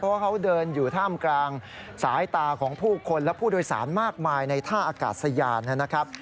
เพราะว่าเขาเดินอยู่ท่ามกลางสายตาของผู้คนและผู้โดยสารมากมายในท่าอากาศยานนะครับ